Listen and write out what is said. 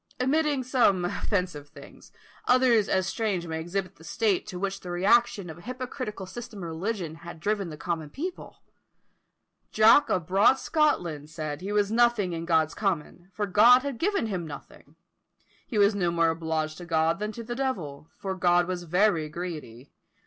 Omitting some offensive things, others as strange may exhibit the state to which the reaction of an hypocritical system of religion had driven the common people. "Jock of broad Scotland" said he was nothing in God's common, for God had given him nothing; he was no more obliged to God than to the devil; for God was very greedy.